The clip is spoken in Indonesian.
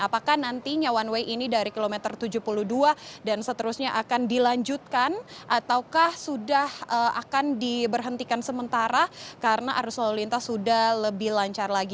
apakah nantinya one way ini dari kilometer tujuh puluh dua dan seterusnya akan dilanjutkan ataukah sudah akan diberhentikan sementara karena arus lalu lintas sudah lebih lancar lagi